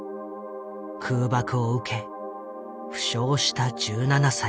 空爆を受け負傷した１７歳。